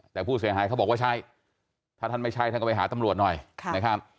แต่ผู้เสียหายเขาบอกว่าใช่ถ้าท่านไม่ใช่ท่านก็ไปหาตำรวจหน่อยนะครับ